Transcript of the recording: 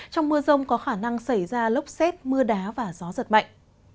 trong mưa rông có khả năng xảy ra lốc xét mưa đá và gió giật mạnh